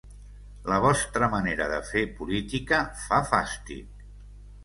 La vostra manera de fer política fa fàstic